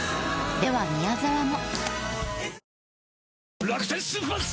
では宮沢も。